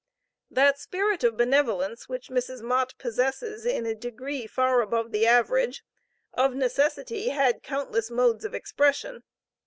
That spirit of benevolence which Mrs. Mott possesses in a degree far above the average, of necessity had countless modes of expression.